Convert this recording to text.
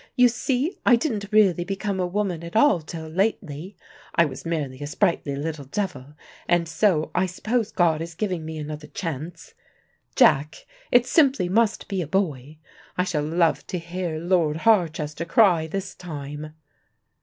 You see I didn't really become a woman at all till lately. I was merely a sprightly little devil, and so I suppose God is giving me another chance. Jack, it simply must be a boy: I shall love to hear Lord Harchester cry this time."